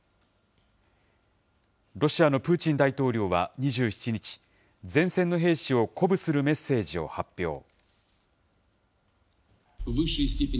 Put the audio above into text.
ロシアのプーチン大統領は２７日、前線の兵士を鼓舞するメッセージを発表。